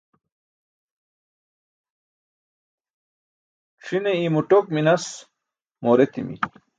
c̣ʰine imo ṭok minas moor etimi